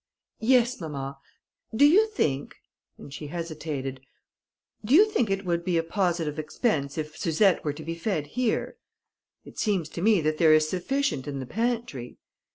"Yes, mamma; do you think," and she hesitated "do you think it would be a positive expense if Suzette were to be fed here? It seems to me that there is sufficient in the pantry...."